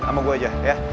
sama gue aja ya